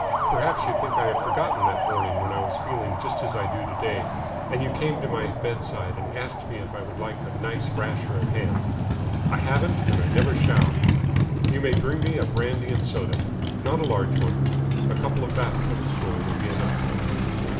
Perhaps you think I have forgotten that morning when I was feeling just as I do to day and you came to my bedside and asked me if I would like a nice rasher of ham. I haven't and I never shall. You may bring me a brandy and soda. Not a large one. A couple of bath tubs full will be enough."